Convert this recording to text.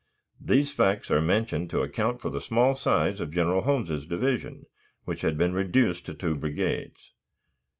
These facts are mentioned to account for the small size of General Holmes's division, which had been reduced to two brigades.